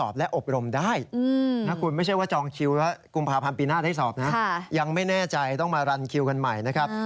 การกันคิวกันใหม่นะครับ